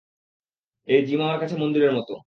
এই জিম আমার কাছে মন্দিরের মতো।